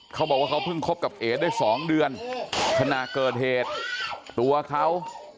เขาบอกว่าเขาเพิ่งคบกับเอ๋ได้สองเดือนขณะเกิดเหตุตัวเขา